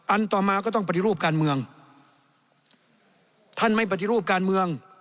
ต่อมาก็ต้องปฏิรูปการเมืองท่านไม่ปฏิรูปการเมือง